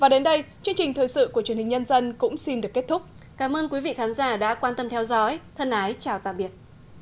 đại biểu nguyễn khắc định đã quan tâm theo dõi thân ái chào tạm biệt